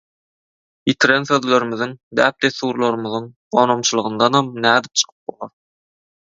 Ýitiren sözlerimiziň, däpdessurlarymyzyň «gonamçylgyndanam» nädip çykyp bolar.